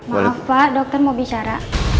maaf pak dokter mau bicara